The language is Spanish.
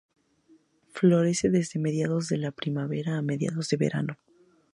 Florece desde mediados de la primavera a mediados de verano.